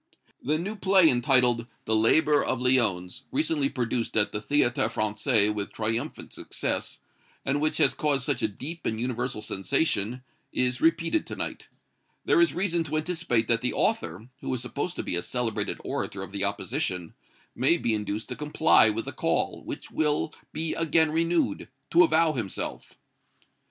"THE NEW PLAY entitled, 'The Laborer of Lyons,' recently produced at the Théâtre Français with triumphant success, and which has caused such a deep and universal sensation, is repeated to night. There is reason to anticipate that the author, who is supposed to be a celebrated orator of the opposition, may be induced to comply with the call, which will be again renewed, to avow himself."